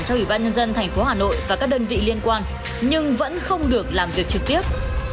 theo ủy ban nhân dân thành phố hà nội và các đơn vị liên quan nhưng vẫn không được làm việc trực tiếp